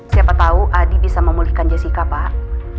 siapa tahu adi bisa memulihkan jessica pak